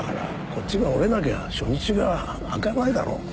こっちが折れなきゃ初日が開かないだろう。